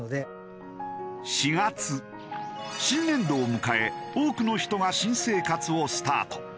新年度を迎え多くの人が新生活をスタート。